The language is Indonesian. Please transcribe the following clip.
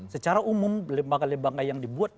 secara umum lembaga lembaga yang dibuat